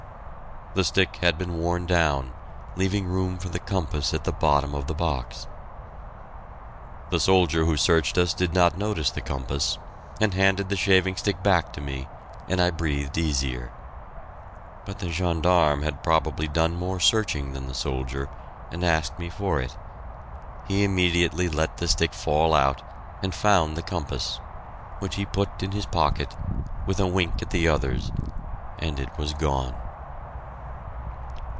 The stick had been worn down, leaving room for the compass at the bottom of the box. The soldier who searched us did not notice the compass, and handed the shaving stick back to me, and I breathed easier. But the gendarme had probably done more searching than the soldier, and asked me for it. He immediately let the stick fall out, and found the compass, which he put in his pocket, with a wink at the others... and it was gone.